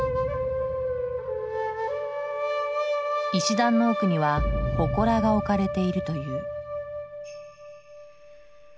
石段の奥には祠が置かれているという。